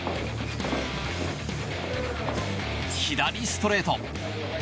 左ストレート！